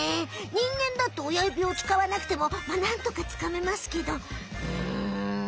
人間だっておやゆびをつかわなくてもまあなんとかつかめますけどうん。